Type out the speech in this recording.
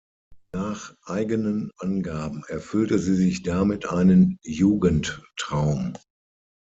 Nach eigenen Angaben erfüllte sie sich damit einen Jugendtraum.